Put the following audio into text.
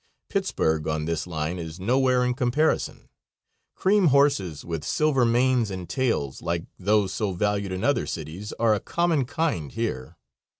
Pittsburg, on this line, is nowhere in comparison. Cream horses, with silver manes and tails, like those so valued in other cities, are a common kind here.